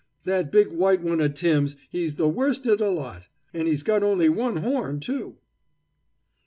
That big white one o' Tim's, he's the worst in de lot, and he's got only one horn, too."